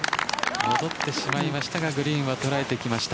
戻ってしまいましたがグリーンは捉えてきました。